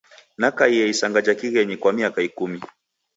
Nakaie isanga ja kighenyi kwa miaka ikumi.